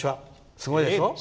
すごいでしょ？